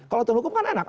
kalau aturan hukum kan enak